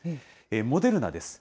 モデルナです。